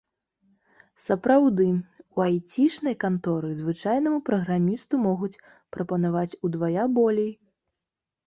Сапраўды, у айцішнай канторы звычайнаму праграмісту могуць прапанаваць удвая болей.